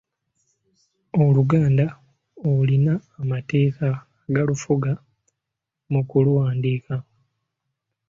Oluganda olina amateeka agalufuga mu kuluwandiika.